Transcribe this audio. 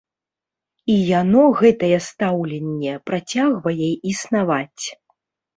І яно, гэтае стаўленне, працягвае існаваць.